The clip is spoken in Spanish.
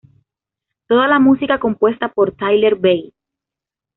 Toda la música compuesta por Tyler Bates.